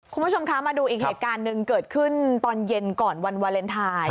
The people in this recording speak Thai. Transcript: คุณผู้ชมคะมาดูอีกเหตุการณ์หนึ่งเกิดขึ้นตอนเย็นก่อนวันวาเลนไทย